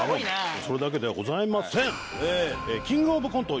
それだけではございません。